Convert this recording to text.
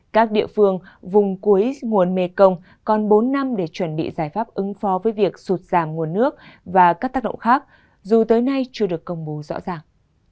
các địa phương vùng cuối nguồn mekong còn bốn năm để chuẩn bị giải pháp ứng phó với việc sụt giảm nguồn nước và các tác động khác dù tới nay chưa được công bố rõ ràng